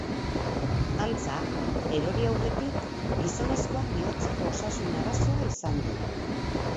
Antza, erori aurretik, gizonezkoak bihotzeko osasun arazoa izan du.